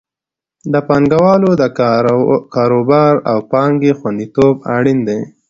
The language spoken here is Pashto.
د پانګوالو د کاروبار او پانګې خوندیتوب اړین دی.